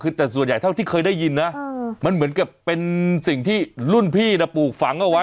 คือแต่ส่วนใหญ่เท่าที่เคยได้ยินนะมันเหมือนกับเป็นสิ่งที่รุ่นพี่ปลูกฝังเอาไว้